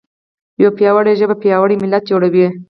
یوه پیاوړې ژبه پیاوړی ملت جوړوي.